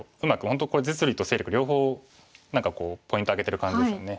本当これ実利と勢力両方何かポイント挙げてる感じですよね。